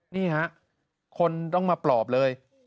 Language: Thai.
นี่ฮะคนต้องมาปลอบเลย